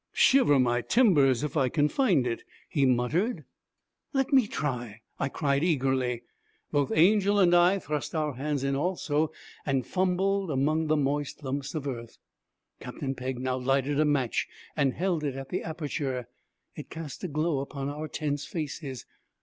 'Shiver my timbers if I can find it!' he muttered. 'Let me try!' I cried eagerly. Both Angel and I thrust our hands in also and fumbled among the moist lumps of earth. Captain Pegg now lighted a match and held it in the aperture. It cast a glow upon our tense faces.